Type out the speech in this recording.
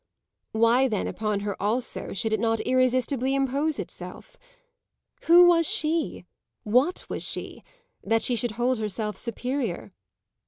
Why then upon her also should it not irresistibly impose itself? Who was she, what was she, that she should hold herself superior?